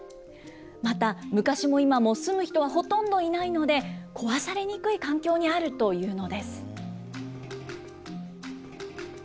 また、昔も今も住む人はほとんどいないので、壊されにくい環境にあるというのです。